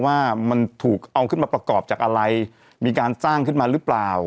ว่ามันถูกเอาขึ้นมาประกอบจากอะไรมีการสร้างขึ้นมาหรือเปล่า